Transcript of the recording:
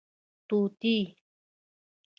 🦜 طوطي